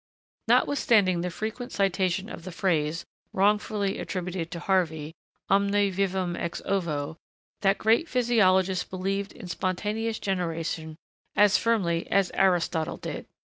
Notwithstanding the frequent citation of the phrase, wrongfully attributed to Harvey, 'Omne vivum ex ovo,' that great physiologist believed in spontaneous generation as firmly as Aristotle did.